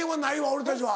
俺たちは。